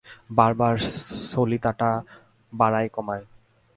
বার বার সলিতাটা বাড়ায় কমায়।